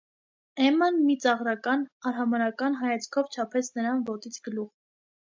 Էմման մի ծաղրական֊արհամարհական հայացքով չափեց նրան ոտից գլուխ: